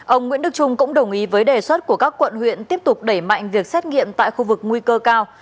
ông nguyễn đức trung cũng đồng ý với đề xuất của các quận huyện tiếp tục đẩy mạnh việc xét nghiệm tại khu vực nguy cơ cao